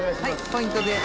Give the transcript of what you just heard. ポイントで。